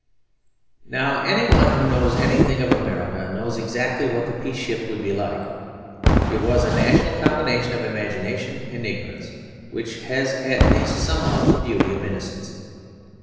Now any one who knows anything of America knows exactly what the Peace Ship would be like. It was a national combination of imagination and ignorance, which has at least some of the beauty of innocence.